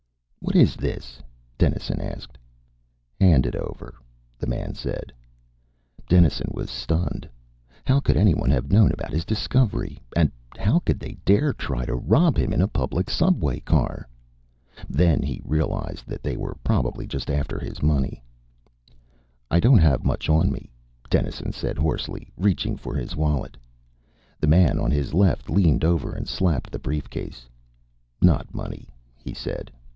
"What is this?" Dennison asked. "Hand it over," the man said. Dennison was stunned. How could anyone have known about his discovery? And how could they dare try to rob him in a public subway car? Then he realized that they were probably just after his money. "I don't have much on me," Dennison said hoarsely, reaching for his wallet. The man on his left leaned over and slapped the briefcase. "Not money," he said.